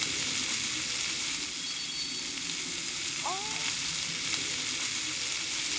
「ああ」